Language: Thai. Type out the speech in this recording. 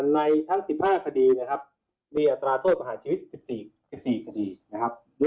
ในทั้ง๑๕คดีมีอัตราโทษประหารชีวิต๑๔คดี